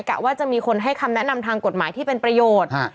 กะว่าจะมีคนให้คำแนะนำทางกฎหมายที่เป็นประโยชน์